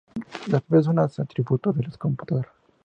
Las propiedades son los atributos de la computadora.